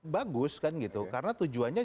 bagus kan gitu karena tujuannya